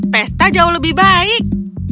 pesta jauh lebih baik